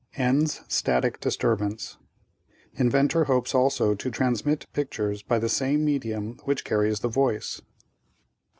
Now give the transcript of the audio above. ENDS STATIC DISTURBANCE Inventor Hopes Also To Transmit Pictures By The Same Medium Which Carries The Voice.